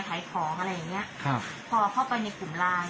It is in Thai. ขายของอะไรอย่างเนี้ย